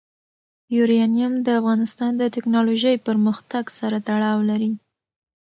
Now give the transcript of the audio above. یورانیم د افغانستان د تکنالوژۍ پرمختګ سره تړاو لري.